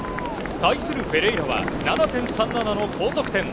対するフェレイラは７．３７の高得点。